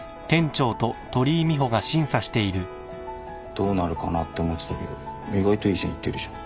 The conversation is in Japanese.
どうなるかなって思ってたけど意外といい線いってるじゃん。